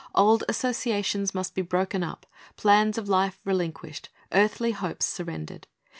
Old associations must be broken up, plans of life relinquished, earthly hopes surrendered.